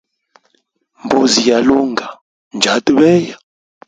Mbuzi ya lunga njyata beya.